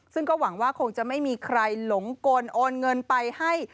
ซึ่งก็หวังว่าคงจะไม่มีใครหลงกลโอนเงินไปให้